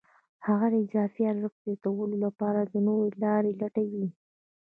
هغه د اضافي ارزښت د زیاتولو لپاره نورې لارې لټوي